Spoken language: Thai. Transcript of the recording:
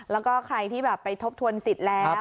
แล้วก็ใครที่แบบไปทบทวนสิทธิ์แล้ว